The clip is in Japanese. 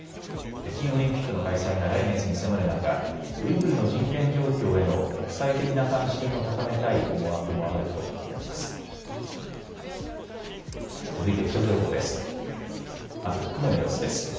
北京オリンピックの開催が来月に迫る中、ウイグルの人権状況への国際的な関心を高めたい思惑もあると見られます。